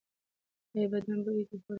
ایا بدن بوی د خوراکي عادتونو سره تړلی دی؟